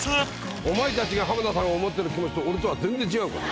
お前たちが浜田さんを思ってる気持ちと俺とは全然違うから。